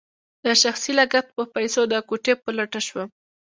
د شخصي لګښت په پیسو د کوټې په لټه شوم.